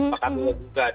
maka dulu gugat